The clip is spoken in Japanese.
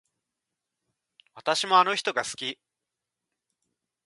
私もあの人が好き